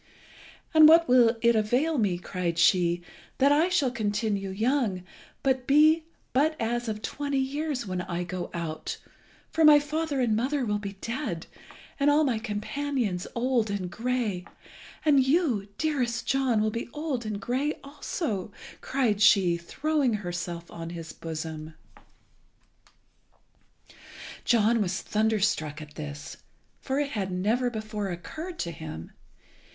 "And what will it avail me," cried she, "that I shall continue young, and be but as of twenty years when I go out, for my father and mother will be dead, and all my companions old and grey; and you, dearest John, will be old and grey also," cried she, throwing herself on his bosom. John was thunderstruck at this, for it had never before occurred to him.